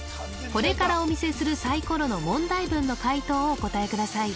これからお見せするサイコロの問題文の解答をお答えください・